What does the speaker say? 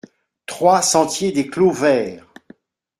trois sentier des Clos Vert